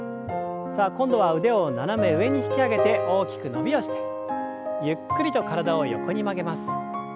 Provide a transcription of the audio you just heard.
さあ今度は腕を斜め上に引き上げて大きく伸びをしてゆっくりと体を横に曲げます。